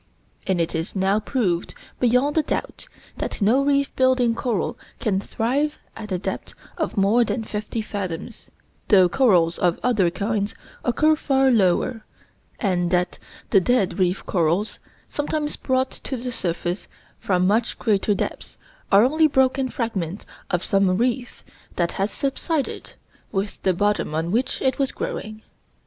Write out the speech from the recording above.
And it is now proved, beyond a doubt, that no reef building coral can thrive at a depth of more than fifteen fathoms, though corals of other kinds occur far lower, and that the dead reef corals, sometimes brought to the surface from much greater depths, are only broken fragments of some reef that has subsided with the bottom on which it was growing.